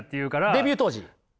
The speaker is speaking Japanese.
デビュー当時？